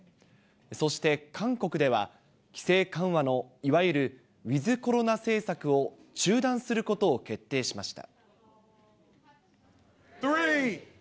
そして韓国では、規制緩和のいわゆるウィズコロナ政策を中断することを決定しました。